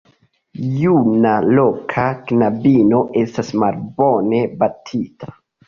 Juna loka knabino estas malbone batita.